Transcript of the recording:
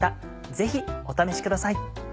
ぜひお試しください。